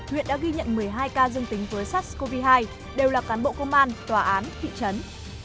huyện đã ghi nhận một mươi hai ca dương tính với sars cov hai đều là cán bộ công an tòa án thị trấn